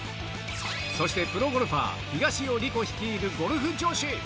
そしてプロゴルファー、東尾理子率いるゴルフ女子。